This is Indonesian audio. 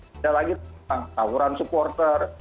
tidak lagi tentang tawuran supporter